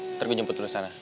nanti gue jemput terus sana